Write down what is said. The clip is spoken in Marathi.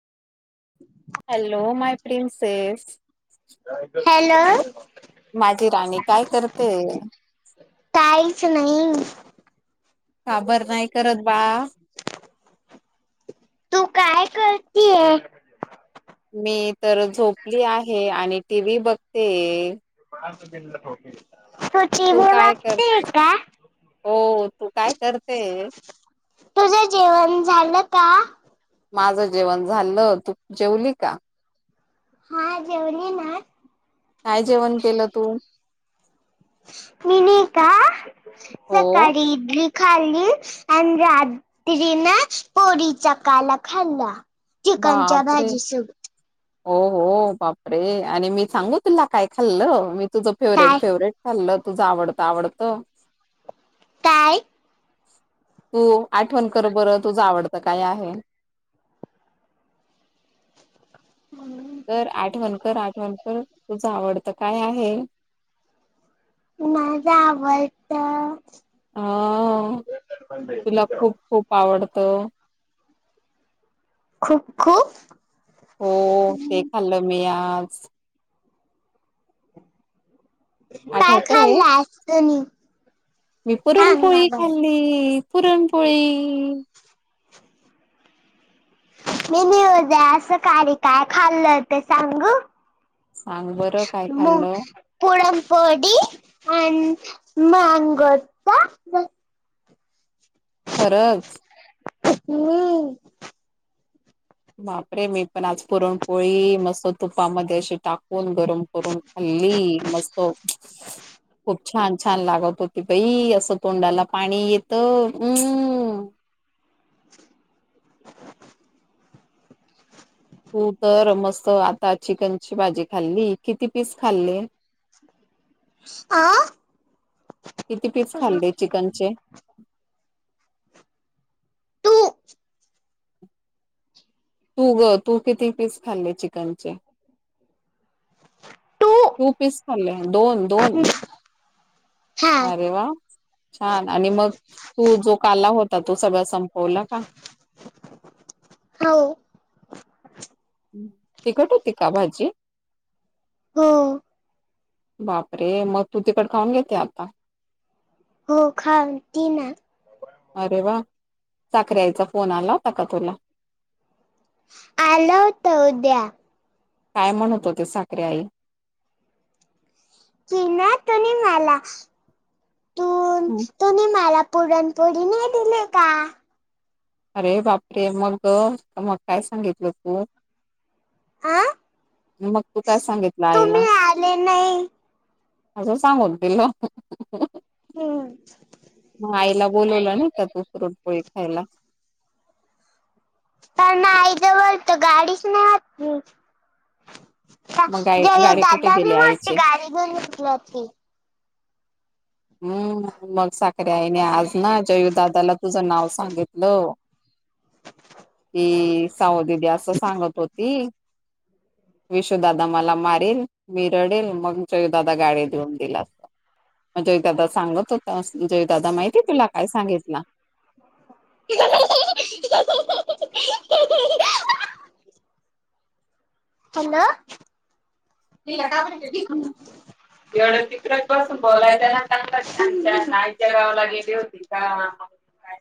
[inaudible] Hello my princess. ‌ हॅलो माझी राणी काय करते. काय चं नाही. का बरं नाही, करत बाळा. तू काय करते‌ ये. मी तर झोपली आहे, आणि टी व्ही बघते. [unintelligible] तू काय बघतीय करतेस, का? हो तू काय करतेस. तुझं जेवण झालं का. माझं जेवण झालं, तू जेवली का. हा जेवली ना. काय जेवण केलं तू. मिनी का हो सकाळी इडली. खाल्ली आणि रात्रीना, पोळीचाकाला खाल्ला. चिकनच्या बापरे. भाजी सोबत हो हो बापरे, आणि मी सांगू तुला काय खाल्लं मी. तुझं फेवरेट काय फेवरेट खाल्लं, तुझं आवडत आवडत. काय, तू आठवण कर बर, तुझं आवडतं काय आहे. तर आठवणकर आठवणकर, तुझ आवडतं काय आहे. माझं आवडतं. हं.. तुला खूप खूप आवडतं. खूप खूप. हो ते खाल्लं मी आज. काय आठवतय खाल्लास तुनी. मी पुरणपोळी खाल्ली पुरणपोळी. मी बी उदया सकाळी काय खाल्लं ते सांगू. सांग बरं काय मग, खाल्लं [unintelligible] खरंच. हम्.. बापरे मी पण आज पुरणपोळी, मस्त तुपामध्ये अशी टाक [unintelligible] गरम करून खाल्ली मस्त. खूप छान छान लागत होती बाई, असं तोंडाला पाणी येत हम्.. [inaudible] तू तर मस्त आता चिकनची भाजी खाल्ली, किती पीस खाल्ले. अ किती पीस खाल्ले चिकनचे. तु, तू गं तू किती पीस खाल्ले चिकनचे. तू टू पीस खाल्ले, दोन दोन हा अरे वा. छान आणि मग तू जो, काला होता तो सगळा संपवला का. हो.. तिखट होती का भाजी. हो.. बापरे, मग तू तिखट खाऊन घेते आता. हो खा ती ना. अरे वा, साखरे आईचा फोन आला, होता का तुला. [unintelligible] काय म्हणत होते, साखरे आई. [unintelligible] तुम्ही हं. मला पुरणपोळी नाही दिली का. अरे बापरे मग, मग काय सांगितलं तू. अ मग तू काय सांगितलं तुम्ही आईला. आले नाही असंच सांगून दिलं. हम्. म आईला बोलावलं नाही का तू पुरणपोळी खायला? पण ना आईजवळ तर गाडीच नाही आपली. हं मग गा जायू गाडे कुठे दादानी गेले मोठी आईचे गाडी घेऊन घेतली होती. हम्. मग साखर आईने आज ना, जयूदादाला तुझं नाव सांगितलं. की साऊदीदी असं सांगत होती. विशूदादा मला मारील मी रडेल, मग जयू दादा मला गाडी घेऊन देईल. जयू दादा सांगत होता, जयो दादा तुला माहित आहे. काय सांगितला. [unintelligible] हॅलो, तिला का येवढं तिकडच बसून बोलायचना चांगत [unintelligible] बोलायचं गावाला गेली होती का.